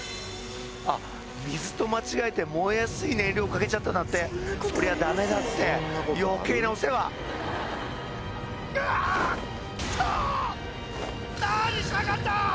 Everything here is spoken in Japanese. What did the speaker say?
水と間違えて燃えやすい燃料かけちゃったんだってそりゃダメだって余計なお世話うわっ！